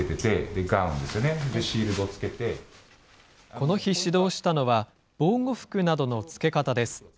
この日指導したのは、防護服などの着け方です。